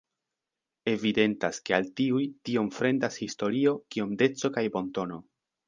Evidentas, ke al tiuj tiom fremdas historio kiom deco kaj bontono.